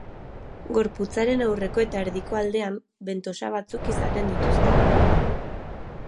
Gorputzaren aurreko eta erdiko aldean bentosa batzuk izaten dituzte.